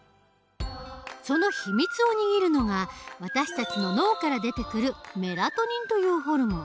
そのひみつを握るのが私たちの脳から出てくるメラトニンというホルモン。